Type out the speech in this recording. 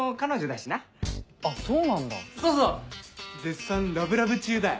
絶賛ラブラブ中だよ。